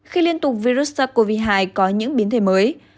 khi liên tục virus sars cov hai có những biến thể mới